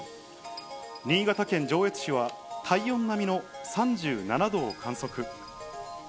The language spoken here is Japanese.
新潟県上越市は体温並みの３７度を観測。